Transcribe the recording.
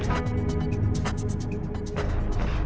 sekarang gini aja